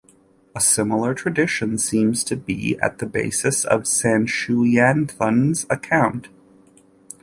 A similar tradition seems to be at the basis of Sanchuniathon's account.